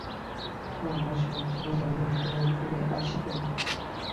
আমরা সবসময়ই জানতাম তুমি ফিরে আসবে।